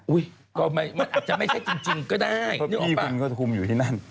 อู้ยก็อาจจะไม่ใช่จริงเพราะพี่คุณก็ธุมอยู่ที่นั่น